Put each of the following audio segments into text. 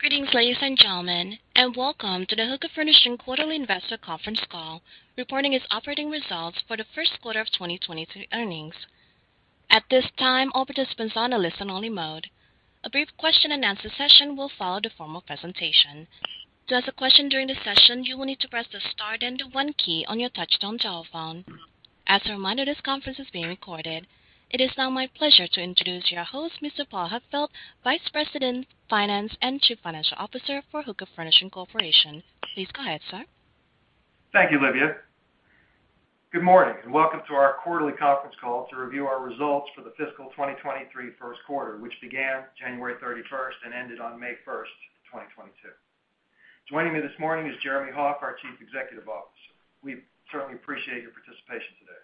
Greetings, ladies and gentlemen, and welcome to the Hooker Furnishings quarterly investor conference call, reporting its operating results for the first quarter of 2023 earnings. At this time, all participants are on a listen-only mode. A brief question-and-answer session will follow the formal presentation. To ask a question during the session, you will need to press the star then the one key on your touchtone telephone. As a reminder, this conference is being recorded. It is now my pleasure to introduce your host, Mr. Paul Huckfeldt, Vice President Finance and Chief Financial Officer for Hooker Furnishings Corporation. Please go ahead, sir. Thank you, Livia. Good morning, and welcome to our quarterly conference call to review our results for the fiscal 2023 first quarter, which began January 31st and ended on May 1st, 2022. Joining me this morning is Jeremy Hoff, our Chief Executive Officer. We certainly appreciate your participation today.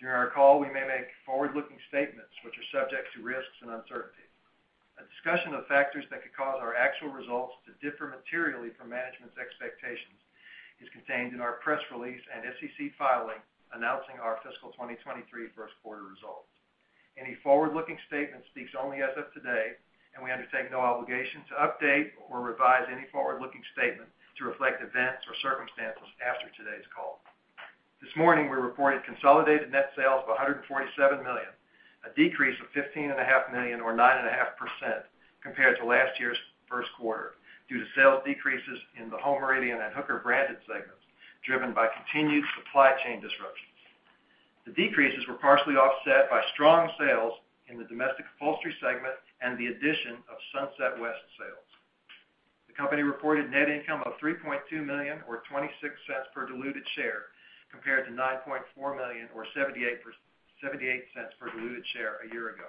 During our call, we may make forward-looking statements which are subject to risks and uncertainties. A discussion of factors that could cause our actual results to differ materially from management's expectations is contained in our press release and SEC filing announcing our fiscal 2023 first quarter results. Any forward-looking statement speaks only as of today, and we undertake no obligation to update or revise any forward-looking statement to reflect events or circumstances after today's call. This morning, we reported consolidated net sales of $147 million, a decrease of $15.5 million or 9.5% compared to last year's first quarter due to sales decreases in the Home Meridian and Hooker Branded segments, driven by continued supply chain disruptions. The decreases were partially offset by strong sales in the domestic upholstery segment and the addition of Sunset West sales. The company reported net income of $3.2 million or $0.26 per diluted share, compared to $9.4 million or $0.78 per diluted share a year ago.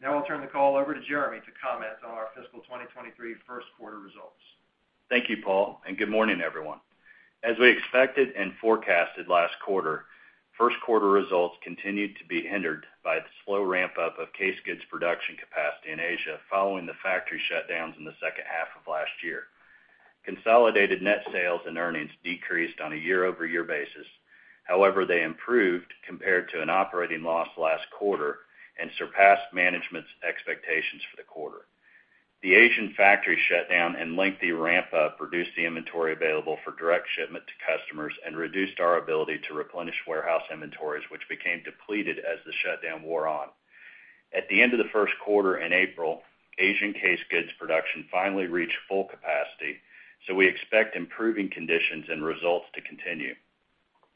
Now I'll turn the call over to Jeremy to comment on our fiscal 2023 first quarter results. Thank you, Paul, and good morning, everyone. As we expected and forecasted last quarter, first quarter results continued to be hindered by the slow ramp-up of case goods production capacity in Asia following the factory shutdowns in the second half of last year. Consolidated net sales and earnings decreased on a year-over-year basis. However, they improved compared to an operating loss last quarter and surpassed management's expectations for the quarter. The Asian factory shutdown and lengthy ramp-up reduced the inventory available for direct shipment to customers and reduced our ability to replenish warehouse inventories, which became depleted as the shutdown wore on. At the end of the first quarter in April, Asian case goods production finally reached full capacity, so we expect improving conditions and results to continue.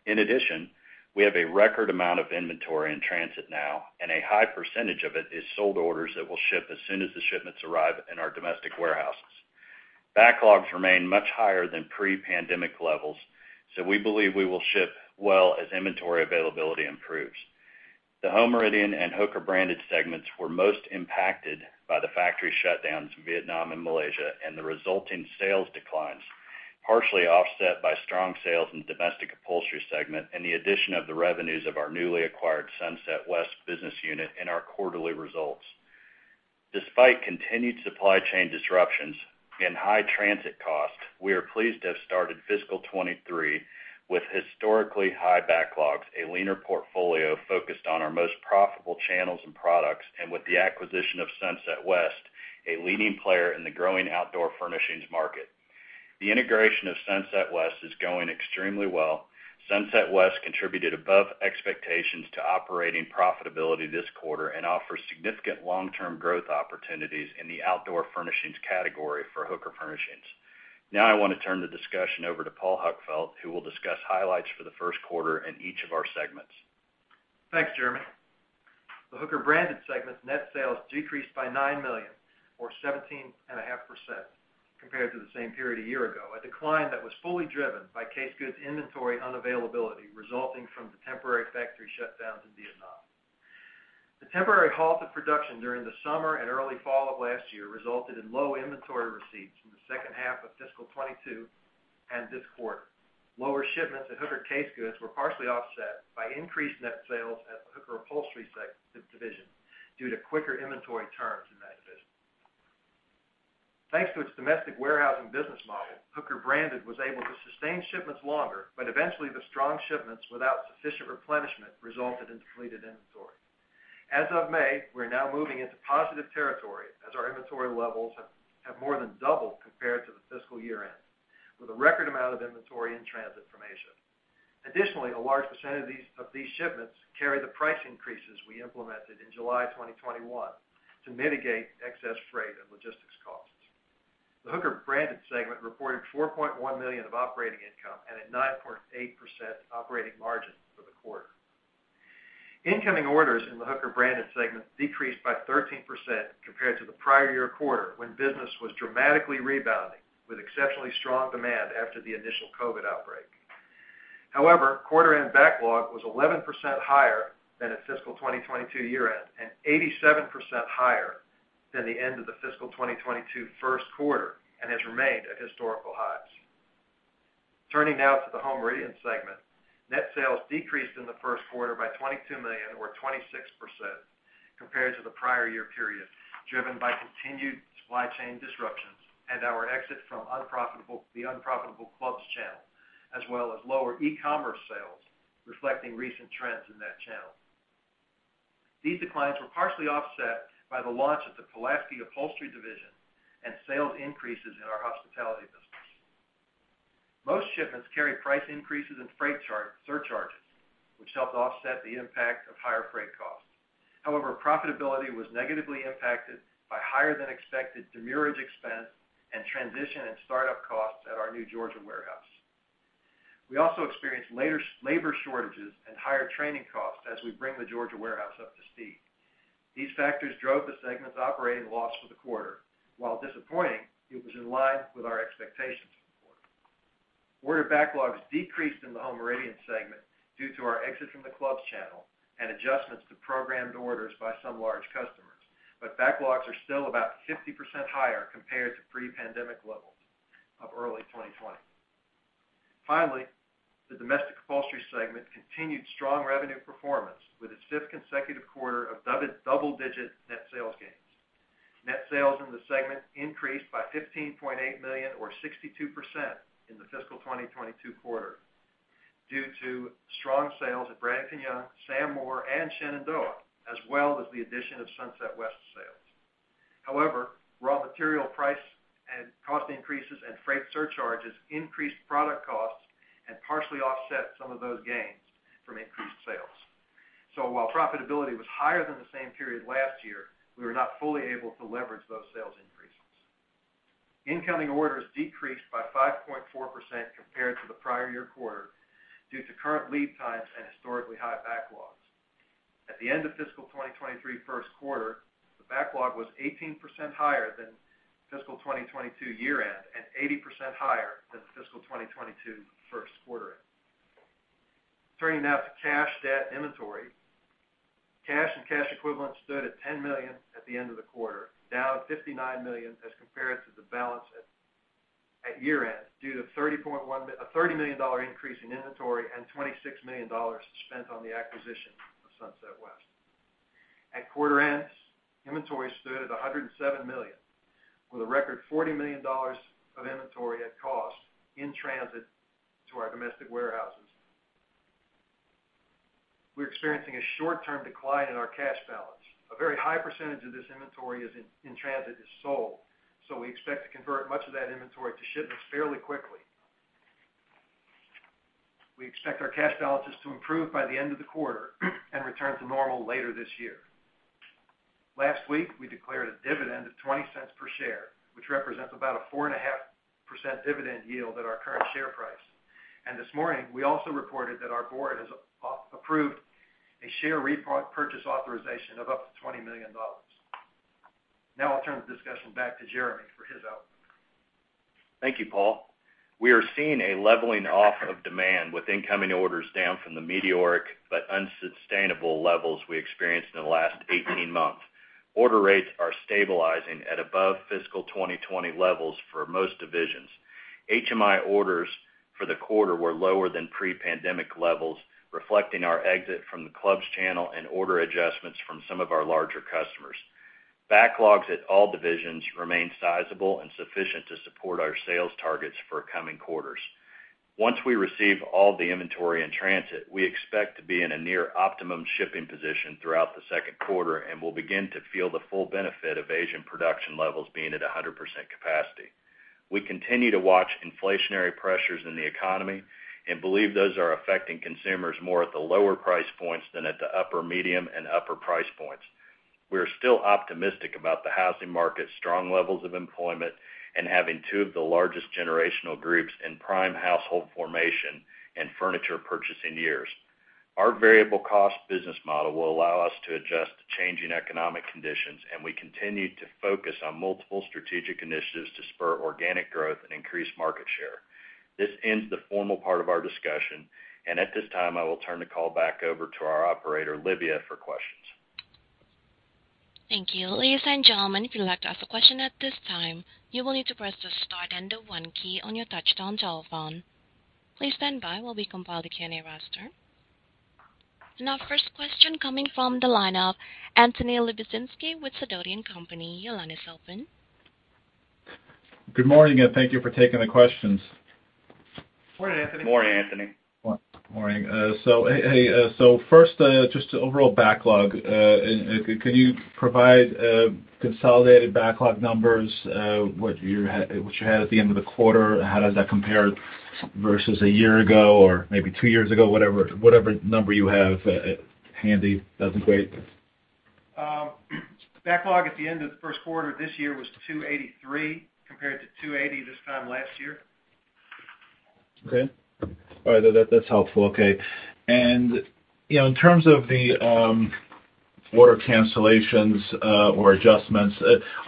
In addition, we have a record amount of inventory in transit now, and a high percentage of it is sold orders that will ship as soon as the shipments arrive in our domestic warehouses. Backlogs remain much higher than pre-pandemic levels, so we believe we will ship well as inventory availability improves. The Home Meridian and Hooker Branded segments were most impacted by the factory shutdowns in Vietnam and Malaysia and the resulting sales declines, partially offset by strong sales in domestic upholstery segment and the addition of the revenues of our newly acquired Sunset West business unit in our quarterly results. Despite continued supply chain disruptions and high transit costs, we are pleased to have started fiscal 2023 with historically high backlogs, a leaner portfolio focused on our most profitable channels and products, and with the acquisition of Sunset West, a leading player in the growing outdoor furnishings market. The integration of Sunset West is going extremely well. Sunset West contributed above expectations to operating profitability this quarter and offers significant long-term growth opportunities in the outdoor furnishings category for Hooker Furnishings. Now I want to turn the discussion over to Paul Huckfeldt, who will discuss highlights for the first quarter in each of our segments. Thanks, Jeremy. The Hooker Branded segment net sales decreased by $9 million or 17.5% compared to the same period a year ago, a decline that was fully driven by case goods inventory unavailability resulting from the temporary factory shutdowns in Vietnam. The temporary halt of production during the summer and early fall of last year resulted in low inventory receipts in the second half of fiscal 2022 and this quarter. Lower shipments of Hooker Casegoods were partially offset by increased net sales at the Hooker Upholstery division due to quicker inventory turns in that division. Thanks to its domestic warehousing business model, Hooker Branded was able to sustain shipments longer, but eventually, the strong shipments without sufficient replenishment resulted in depleted inventory. As of May, we're now moving into positive territory as our inventory levels have more than doubled compared to the fiscal year-end, with a record amount of inventory in transit from Asia. Additionally, a large percentage of these shipments carry the price increases we implemented in July 2021 to mitigate excess freight and logistics costs. The Hooker Branded segment reported $4.1 million of operating income and a 9.8% operating margin for the quarter. Incoming orders in the Hooker Branded segment decreased by 13% compared to the prior year quarter when business was dramatically rebounding with exceptionally strong demand after the initial COVID outbreak. However, quarter-end backlog was 11% higher than at fiscal 2022 year-end and 87% higher than the end of the fiscal 2022 first quarter and has remained at historical highs. Turning now to the Home Meridian segment. Net sales decreased in the first quarter by $22 million or 26% compared to the prior year period, driven by continued supply chain disruptions and our exit from the unprofitable clubs channel, as well as lower e-commerce sales reflecting recent trends in that channel. These declines were partially offset by the launch of the Pulaski Upholstery division and sales increases in our hospitality business. Most shipments carry price increases and freight charge surcharges, which helped offset the impact of higher freight costs. However, profitability was negatively impacted by higher than expected demurrage expense and transition and startup costs at our new Georgia warehouse. We also experienced labor shortages and higher training costs as we bring the Georgia warehouse up to speed. These factors drove the segment's operating loss for the quarter. While disappointing, it was in line with our expectations for the quarter. Order backlogs decreased in the Home Meridian segment due to our exit from the clubs channel and adjustments to programmed orders by some large customers. Backlogs are still about 50% higher compared to pre-pandemic levels of early 2020. Finally, the domestic upholstery segment continued strong revenue performance with its fifth consecutive quarter of double-digit net sales gains. Net sales in the segment increased by $15.8 million or 62% in the fiscal 2022 quarter due to strong sales at Bradington-Young, Sam Moore, and Shenandoah, as well as the addition of Sunset West sales. However, raw material price and cost increases and freight surcharges increased product costs and partially offset some of those gains from increased sales. While profitability was higher than the same period last year, we were not fully able to leverage those sales increases. Incoming orders decreased by 5.4% compared to the prior year quarter due to current lead times and historically high backlogs. At the end of fiscal 2023 first quarter, the backlog was 18% higher than fiscal 2022 year-end and 80% higher than fiscal 2022 first quarter end. Turning now to cash, debt, inventory. Cash and cash equivalents stood at $10 million at the end of the quarter, down $59 million as compared to the balance at year-end, due to a $30 million increase in inventory and $26 million spent on the acquisition of Sunset West. At quarter ends, inventory stood at $107 million, with a record $40 million of inventory at cost in transit to our domestic warehouses. We're experiencing a short-term decline in our cash balance. A very high percentage of this inventory in transit is sold, so we expect to convert much of that inventory to shipments fairly quickly. We expect our cash balances to improve by the end of the quarter and return to normal later this year. Last week, we declared a dividend of $0.20 per share, which represents about a 4.5% dividend yield at our current share price. This morning, we also reported that our board has approved a share repurchase authorization of up to $20 million. Now I'll turn the discussion back to Jeremy for his outlook. Thank you, Paul. We are seeing a leveling off of demand with incoming orders down from the meteoric but unsustainable levels we experienced in the last 18 months. Order rates are stabilizing at above fiscal 2020 levels for most divisions. HMI orders for the quarter were lower than pre-pandemic levels, reflecting our exit from the clubs channel and order adjustments from some of our larger customers. Backlogs at all divisions remain sizable and sufficient to support our sales targets for coming quarters. Once we receive all the inventory in transit, we expect to be in a near optimum shipping position throughout the second quarter and will begin to feel the full benefit of Asian production levels being at 100% capacity. We continue to watch inflationary pressures in the economy and believe those are affecting consumers more at the lower price points than at the upper medium and upper price points. We are still optimistic about the housing market's strong levels of employment and having two of the largest generational groups in prime household formation and furniture purchasing years. Our variable cost business model will allow us to adjust to changing economic conditions, and we continue to focus on multiple strategic initiatives to spur organic growth and increase market share. This ends the formal part of our discussion, and at this time, I will turn the call back over to our operator, Livia, for questions. Thank you. Ladies and gentlemen, if you'd like to ask a question at this time, you will need to press the star then the one key on your touchtone telephone. Please stand by while we compile the Q&A roster. Our first question coming from the line of Anthony Lebiedzinski with Sidoti & Company. Your line is open. Good morning, and thank you for taking the questions. Morning, Anthony. Morning, Anthony. Morning. Hey, first, just overall backlog. Could you provide consolidated backlog numbers, what you had at the end of the quarter? How does that compare versus a year ago or maybe two years ago? Whatever number you have handy, that's great. Backlog at the end of the first quarter this year was 283, compared to 280 this time last year. Okay. All right, that's helpful. Okay. You know, in terms of the order cancellations or adjustments,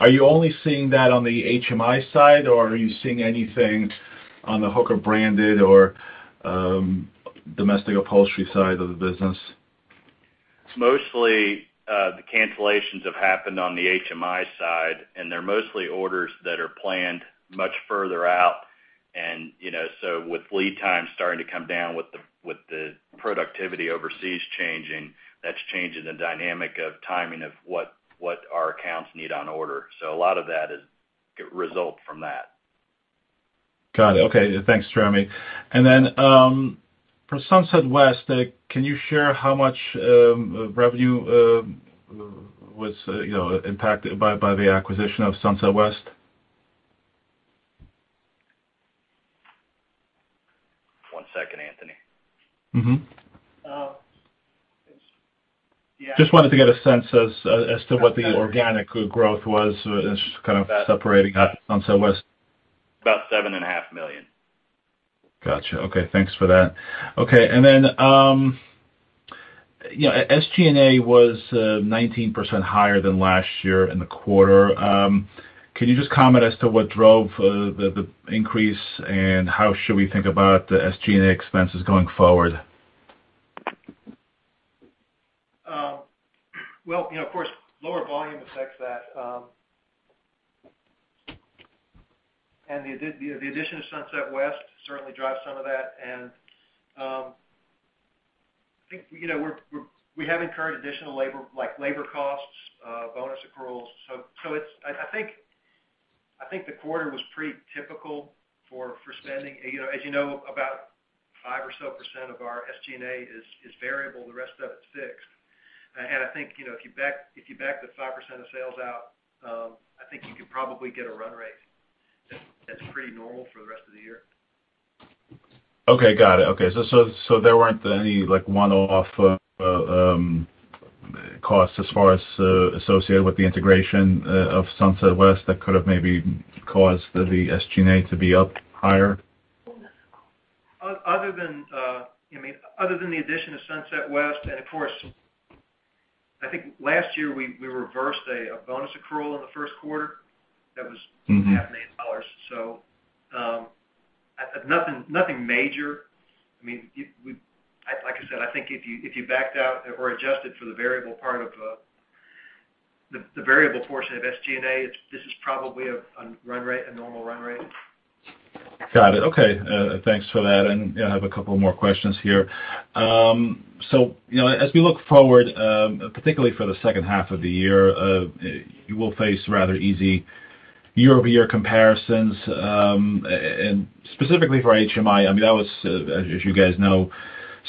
are you only seeing that on the HMI side, or are you seeing anything on the Hooker Branded or Domestic Upholstery side of the business? Mostly, the cancellations have happened on the HMI side, and they're mostly orders that are planned much further out. You know, with lead times starting to come down with the productivity overseas changing, that's changing the dynamic of timing of what our accounts need on order. A lot of that is result from that. Got it. Okay. Thanks, Jeremy. For Sunset West, can you share how much revenue was, you know, impacted by the acquisition of Sunset West? One second, Anthony. Mm-hmm. Yeah. Just wanted to get a sense as to what the organic growth was, just kind of separating out Sunset West. About $7.5 million. Got you. Okay, thanks for that. Okay. You know, SG&A was 19% higher than last year in the quarter. Can you just comment as to what drove the increase, and how should we think about the SG&A expenses going forward? Well, you know, of course, lower volume affects that. The addition of Sunset West certainly drives some of that. I think, you know, we have incurred additional labor, like labor costs, bonus accruals. It's I think the quarter was pretty typical for spending. You know, as you know, about 5% or so of our SG&A is variable, the rest of it is fixed. I think, you know, if you back the 5% of sales out, I think you could probably get a run rate that's pretty normal for the rest of the year. Okay. Got it. Okay. There weren't any like one-off costs as far as associated with the integration of Sunset West that could have maybe caused the SG&A to be up higher? Other than, I mean, other than the addition of Sunset West, and of course, I think last year we reversed a bonus accrual in the first quarter that was. Mm-hmm. $2.5 million. Nothing major. I mean, like I said, I think if you backed out or adjusted for the variable part of the variable portion of SG&A, this is probably a run rate, a normal run rate. Got it. Okay. Thanks for that. I have a couple more questions here. So, you know, as we look forward, particularly for the second half of the year, you will face rather easy year-over-year comparisons, specifically for HMI. I mean, that was, as you guys know,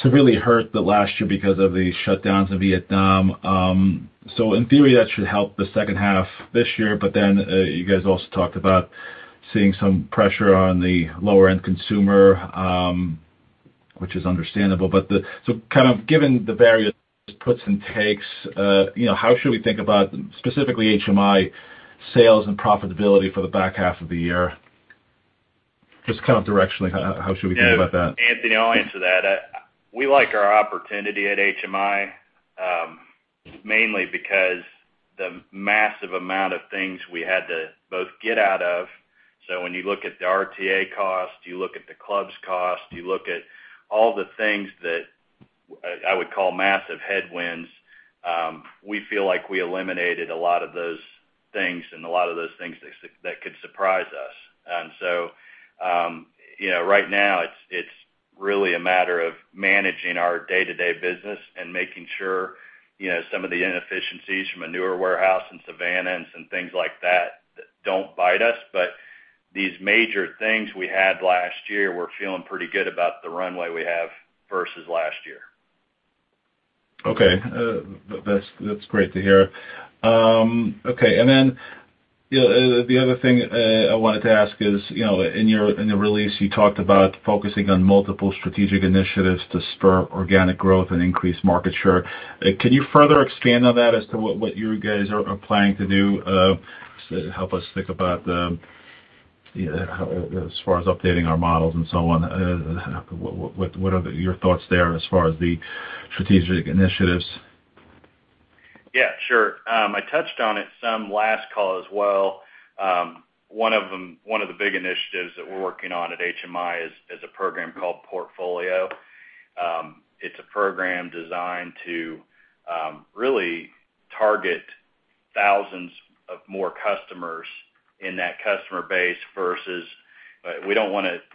severely hurt last year because of the shutdowns in Vietnam. So in theory, that should help the second half this year. You guys also talked about seeing some pressure on the lower-end consumer, which is understandable. So kind of given the various puts and takes, you know, how should we think about specifically HMI sales and profitability for the back half of the year? Just kind of directionally, how should we think about that? Yeah. Anthony, I'll answer that. We like our opportunity at HMI, mainly because the massive amount of things we had to both get out of. When you look at the RTA cost, you look at the clubs cost, you look at all the things that I would call massive headwinds, we feel like we eliminated a lot of those things and a lot of those things that could surprise us. You know, right now it's really a matter of managing our day-to-day business and making sure, you know, some of the inefficiencies from a newer warehouse in Savannah and some things like that, don't bite us. These major things we had last year, we're feeling pretty good about the runway we have versus last year. Okay. That's great to hear. Okay. You know, the other thing I wanted to ask is, you know, in your release, you talked about focusing on multiple strategic initiatives to spur organic growth and increase market share. Can you further expand on that as to what you guys are planning to do to help us think about, as far as updating our models and so on? What are your thoughts there as far as the strategic initiatives? Yeah, sure. I touched on it some last call as well. One of them, one of the big initiatives that we're working on at HMI is a program called Portfolio. It's a program designed to really target thousands of more customers in that customer base.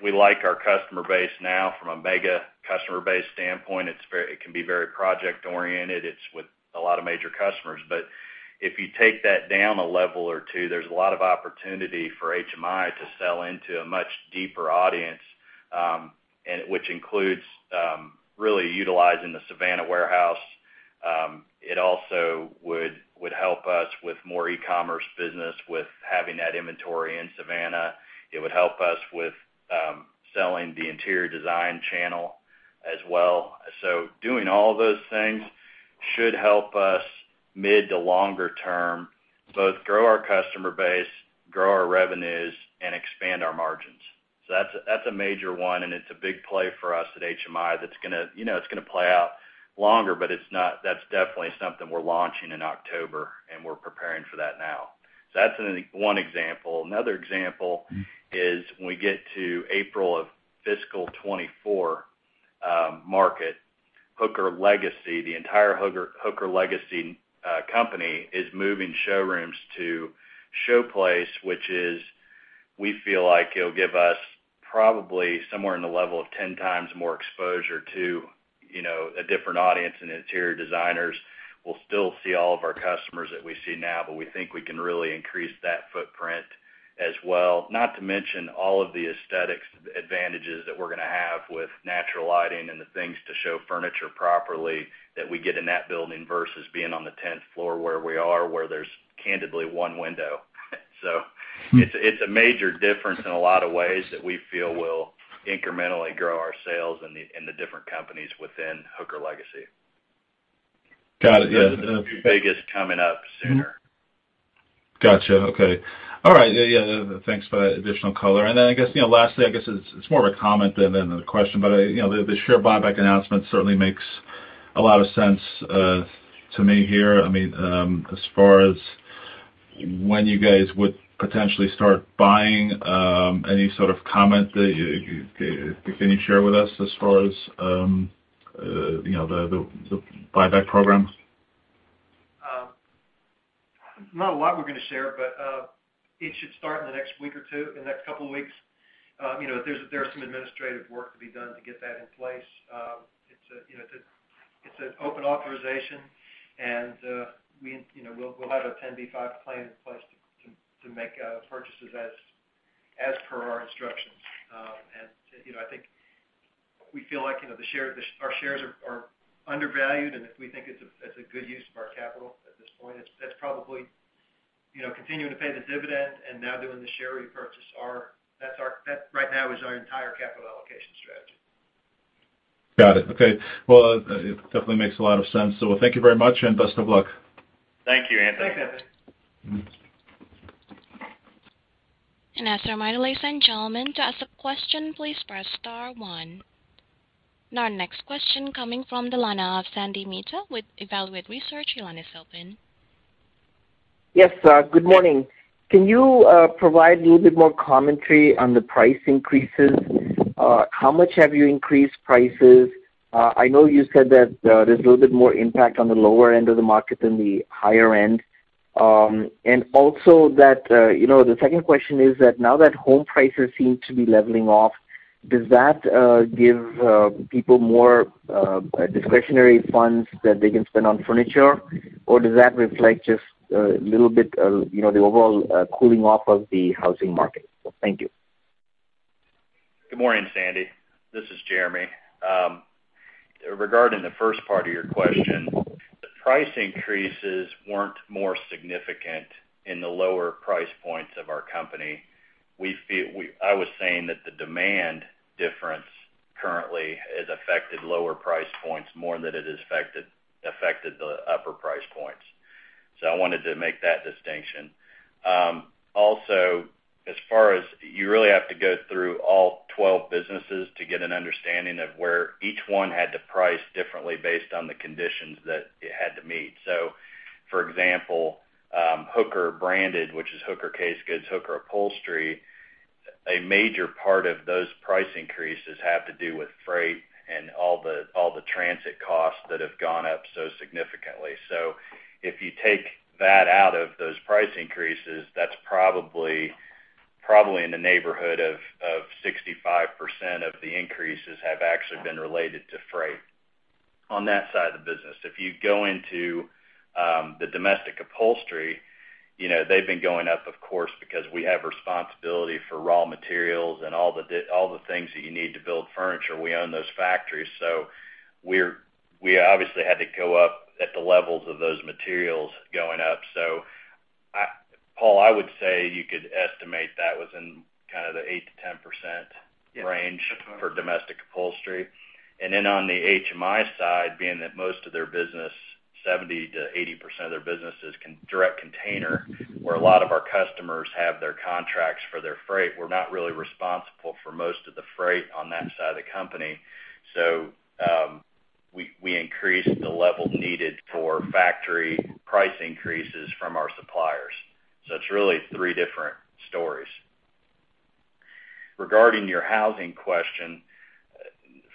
We like our customer base now from a mega customer base standpoint. It can be very project-oriented. It's with a lot of major customers. If you take that down a level or two, there's a lot of opportunity for HMI to sell into a much deeper audience, and which includes really utilizing the Savannah warehouse. It also would help us with more e-commerce business with having that inventory in Savannah. It would help us with selling the interior design channel as well. Doing all those things should help us mid to longer term, both grow our customer base, grow our revenues, and expand our margins. That's a major one, and it's a big play for us at HMI that's gonna, you know, it's gonna play out longer, but it's not, that's definitely something we're launching in October, and we're preparing for that now. That's one example. Another example is when we get to April of fiscal 2024, market, Hooker Legacy, the entire Hooker Legacy company is moving showrooms to Showplace, which is we feel like it'll give us probably somewhere in the level of 10x more exposure to you know, a different audience and interior designers will still see all of our customers that we see now, but we think we can really increase that footprint as well. Not to mention all of the aesthetics advantages that we're gonna have with natural lighting and the things to show furniture properly that we get in that building versus being on the tenth floor where we are, where there's candidly one window. It's a major difference in a lot of ways that we feel will incrementally grow our sales in the different companies within Hooker Legacy. Got it. Yeah. Our biggest coming up sooner. Mm-hmm. Gotcha. Okay. All right. Yeah, yeah. Thanks for that additional color. Then I guess, you know, lastly, I guess it's more of a comment than a question, but you know, the share buyback announcement certainly makes a lot of sense to me here. I mean, as far as when you guys would potentially start buying, any sort of comment that you can share with us as far as, you know, the buyback program? Not a lot we're gonna share, but it should start in the next week or two, in the next couple of weeks. You know, there's some administrative work to be done to get that in place. You know, it's an open authorization and, you know, we'll have a 10b5-1 plan in place to make purchases as per our instructions. You know, I think we feel like, you know, our shares are undervalued, and if we think it's a good use of our capital at this point, that's probably, you know, continuing to pay the dividend and now doing the share repurchase. That right now is our entire capital allocation strategy. Got it. Okay. Well, it definitely makes a lot of sense. Thank you very much and best of luck. Thank you, Anthony. Thanks, Anthony. Mm-hmm. As a reminder, ladies and gentlemen, to ask a question, please press star one. Our next question coming from the line of Sandy Mehta with Evaluate Research. Your line is open. Yes. Good morning. Can you provide a little bit more commentary on the price increases? How much have you increased prices? I know you said that there's a little bit more impact on the lower end of the market than the higher end. Also that, you know, the second question is that now that home prices seem to be leveling off, does that give people more discretionary funds that they can spend on furniture? Or does that reflect just little bit, you know, the overall cooling off of the housing market? Thank you. Good morning, Sandy. This is Jeremy. Regarding the first part of your question, the price increases weren't more significant in the lower price points of our company. I was saying that the demand difference currently has affected lower price points more than it has affected the upper price points. I wanted to make that distinction. Also, as far as you really have to go through all 12 businesses to get an understanding of where each one had to price differently based on the conditions that it had to meet. For example, Hooker Branded, which is Hooker Casegoods, Hooker Upholstery, a major part of those price increases have to do with freight and all the transit costs that have gone up so significantly. If you take that out of those price increases, that's probably in the neighborhood of 65% of the increases have actually been related to freight on that side of the business. If you go into the domestic upholstery, you know, they've been going up, of course, because we have responsibility for raw materials and all the things that you need to build furniture. We own those factories, so we obviously had to go up at the levels of those materials going up. Paul, I would say you could estimate that within kind of the 8%-10% range for domestic upholstery. On the HMI side, being that most of their business, 70%-80% of their business is direct container, where a lot of our customers have their contracts for their freight. We're not really responsible for most of the freight on that side of the company. We increase the level needed for factory price increases from our suppliers. It's really three different stories. Regarding your housing question,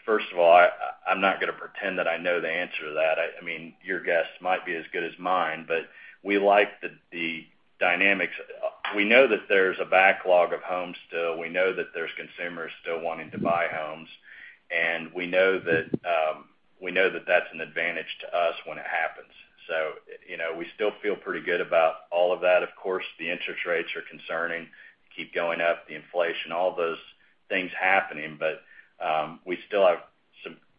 first of all, I'm not gonna pretend that I know the answer to that. I mean, your guess might be as good as mine, but we like the dynamics. We know that there's a backlog of homes still. We know that there's consumers still wanting to buy homes, and we know that that's an advantage to us when it happens. You know, we still feel pretty good about all of that. Of course, the interest rates are concerning, keep going up, the inflation, all those things happening. We still have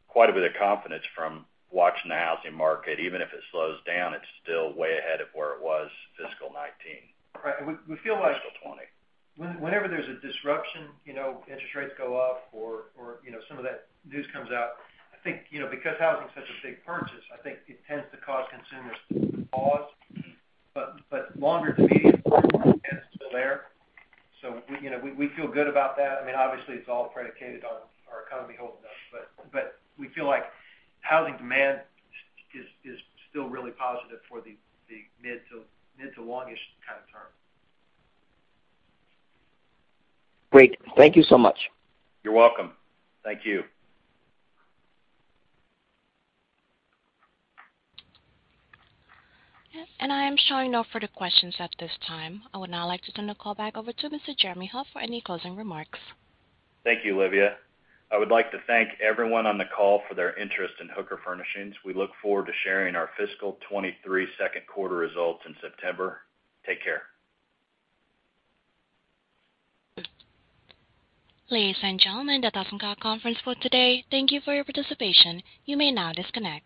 quite a bit of confidence from watching the housing market. Even if it slows down, it's still way ahead of where it was fiscal 2019. Right. We feel like. Fiscal 2020. Whenever there's a disruption, you know, interest rates go up or, you know, some of that news comes out, I think, you know, because housing is such a big purchase, I think it tends to cause consumers to pause. Longer demand is still there. We, you know, we feel good about that. I mean, obviously it's all predicated on our economy holding up, but we feel like housing demand is still really positive for the mid to longest kind of term. Great. Thank you so much. You're welcome. Thank you. Yes, I am showing no further questions at this time. I would now like to turn the call back over to Mr. Jeremy Hoff for any closing remarks. Thank you, Livia. I would like to thank everyone on the call for their interest in Hooker Furnishings. We look forward to sharing our fiscal 2023 second quarter results in September. Take care. Ladies and gentlemen, that does end our conference call today. Thank you for your participation. You may now disconnect.